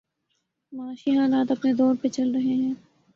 معاشی حالات اپنے زور پہ چل رہے ہیں۔